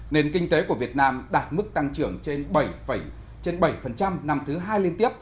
nền kinh tế của việt nam đạt mức tăng trưởng trên bảy năm thứ hai liên tiếp